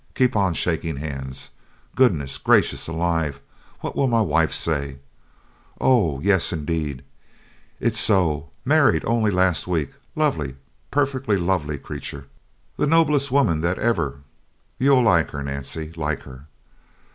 Keep on shaking hands! Goodness gracious alive. What will my wife say? Oh yes indeed, it's so! married only last week lovely, perfectly lovely creature, the noblest woman that ever you'll like her, Nancy! Like her?